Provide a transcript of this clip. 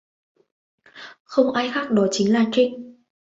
Không ai khác đó chính là Trinh